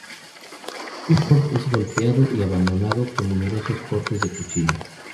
Buford es golpeado y abandonado con numerosos cortes de cuchillo.